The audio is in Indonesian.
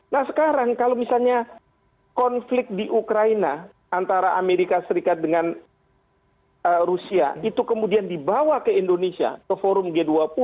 nah sekarang kalau misalnya konflik di ukraina antara amerika serikat dengan rusia itu kemudian dibawa ke indonesia ke forum g dua puluh